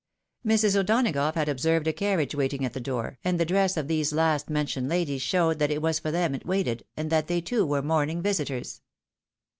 Mrs. O'Donagough had observed a carriage waiting at the door, and the dress of these last mentioned ladies showed that it was for them it waited, and that they, too, were morning visitors.